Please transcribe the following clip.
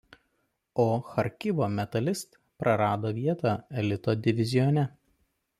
O Charkivo „Metalist“ prarado vietą elito divizione.